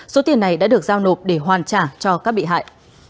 số tiền này đã được giao nộp để hoàn trả cho các bị hại